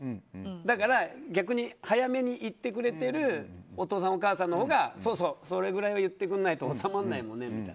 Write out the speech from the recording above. だから、逆に早めに言ってくれているお母さんのほうがそれぐらいは言ってくれないとおさまらないよねって。